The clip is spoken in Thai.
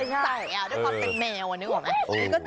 ใส่ด้วยความเป็นแมวนึกออกไหม